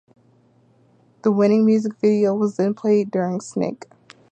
The winning music video was then played during Snick.